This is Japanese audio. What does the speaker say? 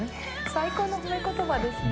最高の褒め言葉ですね。